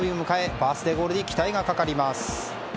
バースデーゴールに期待がかかります。